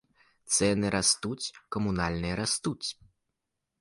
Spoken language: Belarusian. Цэны растуць, камунальныя растуць.